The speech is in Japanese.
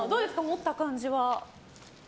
持った感じは。